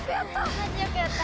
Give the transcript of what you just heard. マジよくやった。